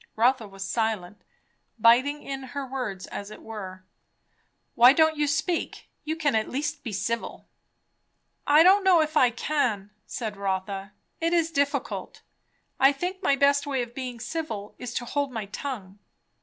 Rotha was silent, biting in her words, as it were. "Why don't you speak? You can at least be civil." "I don't know if I can," said Rotha. "It is difficult. I think my best way of being civil is to hold my tongue.